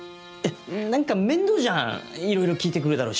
何か面倒じゃんいろいろ聞いてくるだろうし。